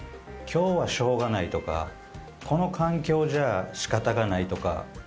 「今日はしょうがない」とか「この環境じゃ仕方がない」とか。